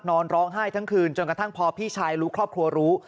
นอนร้องไห้ทั้งคืนจนกระทั่งพอพี่ชายรู้ครอบครัวรู้